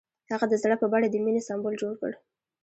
هغه د زړه په بڼه د مینې سمبول جوړ کړ.